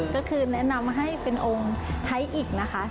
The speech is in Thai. ก็คือแนะนำให้เป็นองค์ไทยอีกนะคะ